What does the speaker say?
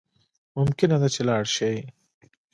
ممکنه ده چی لاړ شی